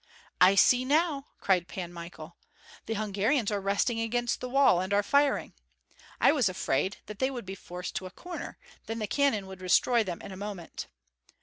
"I see now!" cried Pan Michael. "The Hungarians are resting against the wall and are firing. I was afraid that they would be forced to a corner, then the cannon would destroy them in a moment.